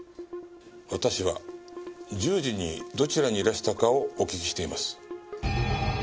私は１０時にどちらにいらしたかをお聞きしています。